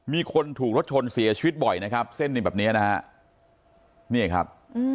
มีคนถูกรถชนเสียชีวิตบ่อยนะครับเส้นหนึ่งแบบเนี้ยนะฮะนี่ครับ